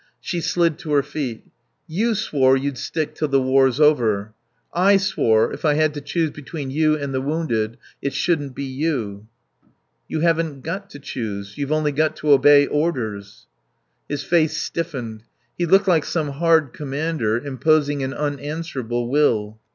(She slid to her feet.) "You swore you'd stick till the war's over. I swore, if I had to choose between you and the wounded, it shouldn't be you." "You haven't got to choose. You've only got to obey orders...." His face stiffened. He looked like some hard commander imposing an unanswerable will.